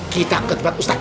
kita ke tempat ustadz